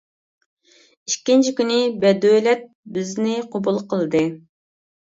ئىككىنچى كۈنى، «بەدۆلەت» بىزنى قوبۇل قىلدى.